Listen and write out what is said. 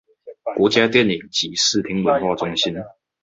國家電影及視聽文化中心